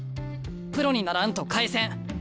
プロにならんと返せん。